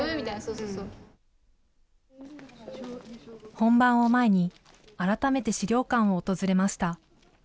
本番を前に、改めて資料館を訪れました。